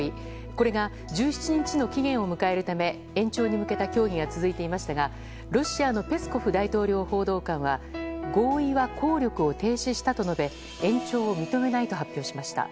これが１７日の期限を迎えるため延長に向けた協議が続いていましたがロシアのペスコフ大統領報道官は合意は効力を停止したと述べ延長を認めないと発表しました。